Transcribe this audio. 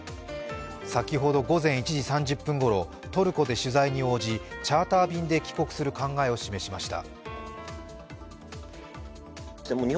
先ほど午前１時３０分ごろ、トルコで取材に応じチャーター便で帰国する考えを示しました。